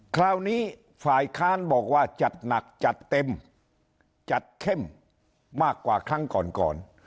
คราวนี้ฝ่ายค้านบอกว่าจัดหนักจัดเต็มจัดเข้มมากกว่าครั้งก่อนก่อน